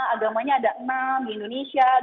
agamanya ada enam di indonesia